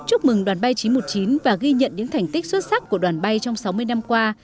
chúc mừng đoàn bay chín trăm một mươi chín và ghi nhận những thành tích xuất sắc của đoàn bay trong sáu mươi năm qua